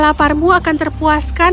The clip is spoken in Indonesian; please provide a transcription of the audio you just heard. rasa laparmu akan terpuaskan